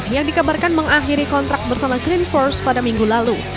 yang dikabarkan mengakhiri kontrak bersama green force pada minggu lalu